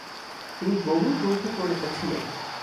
তিনি বহুগ্রন্থপ্রণেতা ছিলেন।